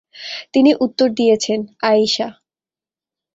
তিনি উত্তর দিয়েছিলেন, "আয়িশা।